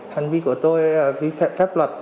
hành vi của tôi vì phép luật